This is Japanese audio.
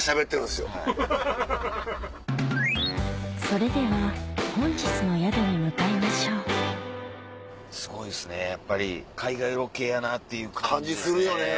それでは本日の宿に向かいましょうすごいですねやっぱり海外ロケやなっていう感じですね。